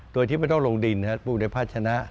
โดยที่ไม่ต้องลงดินปลูกในภาชนะ